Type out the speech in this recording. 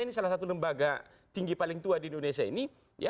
ini salah satu lembaga tinggi paling tua di indonesia ini